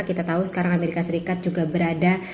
kita tahu sekarang amerika serikat juga berada